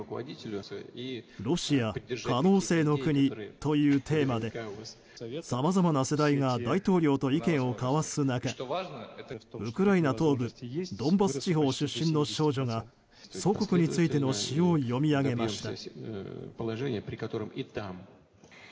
「ロシア可能性の国」というテーマでさまざまな世代が大統領と意見を交わす中ウクライナ東部ドンバス地方出身の少女が祖国についての詩を詠みあげました。